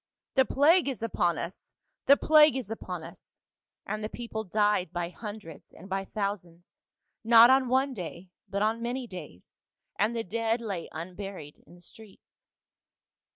"* The plague is upon us ! the plague is upon us !' "And the people died by hundreds and by thou sands, not on one day but on many days, and the dead lay unburied in the streets.